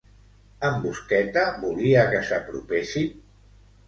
En Busqueta volia que s'apropessin?